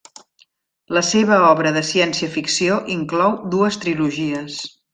La seva obra de ciència-ficció inclou dues trilogies.